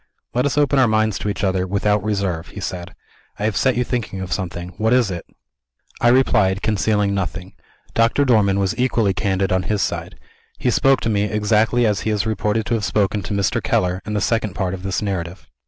"Let us open our minds to each other, without reserve," he said. "I have set you thinking of something. What is it?" I replied, concealing nothing. Doctor Dormann was equally candid on his side. He spoke to me, exactly as he is reported to have spoken to Mr. Keller, in the Second Part of this narrative.